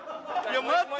待って！